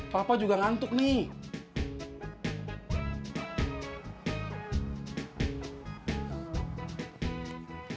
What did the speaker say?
papa juga ngantuk nih